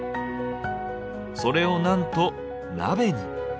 それをなんと鍋に！